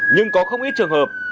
nhưng có không ít trường hợp